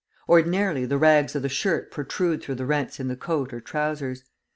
Ordinarily the rags of the shirt protrude through the rents in the coat or trousers.